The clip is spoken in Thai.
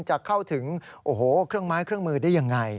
จะเข้าถึงโอ้โหเครื่องไม้เครื่องมือได้ยังไง